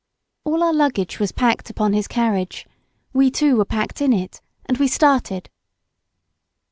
All our luggage was packed upon his carriage; we, too were packed in it, and we started.